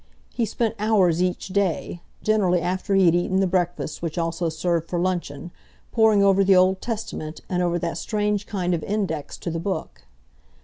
He spent hours each day, generally after he had eaten the breakfast which also served for luncheon, poring over the Old Testament and over that strange kind of index to the Book.